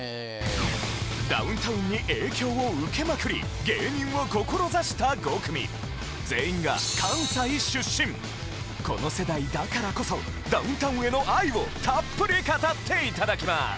ダウンタウンに影響を受けまくり全員が関西出身この世代だからこそダウンタウンへの愛をたっぷり語っていただきます！